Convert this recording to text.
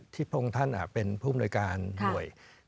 ที่พระองค์ท่านเป็นผู้บริการหน่วย